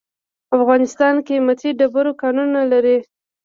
افغانستان قیمتي ډبرو کانونه لري.